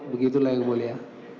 begitulah yang mulia